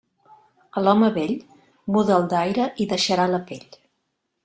A l'home vell, muda'l d'aire i deixarà la pell.